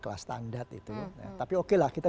kelas standar itu tapi okelah kita